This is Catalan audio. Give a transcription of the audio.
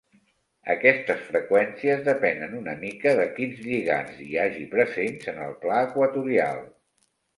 Aquestes freqüències depenen una mica de quins lligands hi hagi presents en el pla equatorial.